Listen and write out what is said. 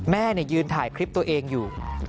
แม่ยืนถ่ายคลิปตัวเองอยู่